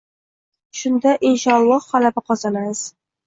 Shunda, inshoolloh, g‘alaba qozonamiz